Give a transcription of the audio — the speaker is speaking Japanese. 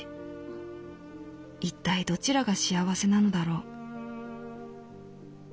いったいどちらが幸せなのだろう」。